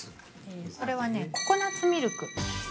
これはね、ココナッツミルク。